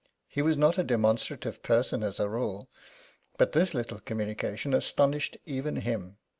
He was not a demonstrative person as a rule, but this little communication astonished even him.